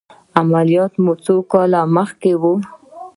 عملیات مو څو کاله مخکې و؟